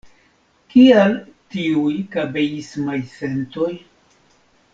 Kial tiuj kabeismaj sentoj?